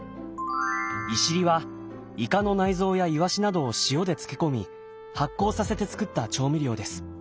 いしりはイカの内臓やイワシなどを塩で漬け込み発酵させて造った調味料です。